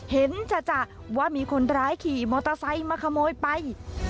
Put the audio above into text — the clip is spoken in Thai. จะว่ามีคนร้ายขี่มอเตอร์ไซค์มาขโมยไป